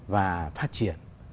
và phát triển